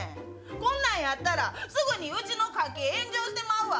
こんなんやったら、すぐにうちの家計炎上してまうわ。